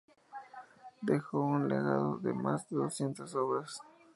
Dejó un legado de más de doscientas obras.